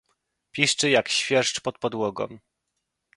"piszczy, jak świerszcz pod podłogą!"